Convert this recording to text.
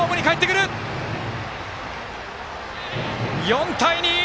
４対２！